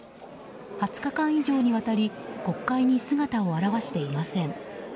２０日間以上にわたり国会に姿を現していません。